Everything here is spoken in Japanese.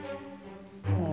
ああ。